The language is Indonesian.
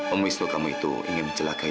om wisnu kamu itu ingin mencelakai